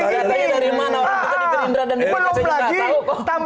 kalian mengalihkan isu dengan bikin bikin acara yang ini